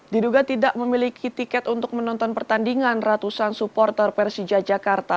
diduga tidak memiliki tiket untuk menonton pertandingan ratusan supporter persija jakarta